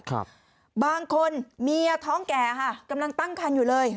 ครับบางคนเมียท้องแก่ค่ะกำลังตั้งคันอยู่เลย